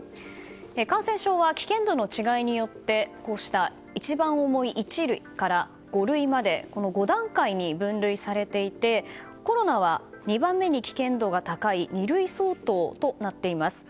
感染症は危険度の違いによって一番重い一類から五類まで５段階に分類されていてコロナは２番目に危険度が高い二類相当となっています。